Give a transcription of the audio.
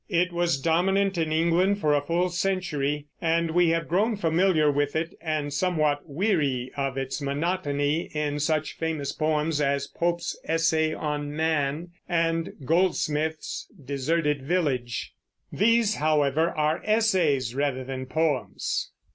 It was dominant in England for a full century, and we have grown familiar with it, and somewhat weary of its monotony, in such famous poems as Pope's "Essay on Man" and Goldsmith's "Deserted Village." These, however, are essays rather than poems.